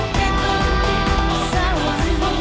dia tak salah